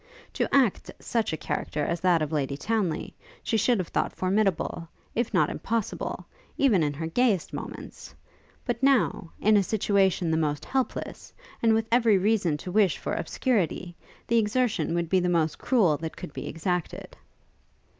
To act such a character as that of Lady Townly, she should have thought formidable, if not impossible, even in her gayest moments: but now, in a situation the most helpless, and with every reason to wish for obscurity, the exertion would be the most cruel that could be exacted.